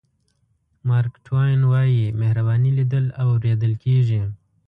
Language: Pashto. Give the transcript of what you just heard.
مارک ټواین وایي مهرباني لیدل او اورېدل کېږي.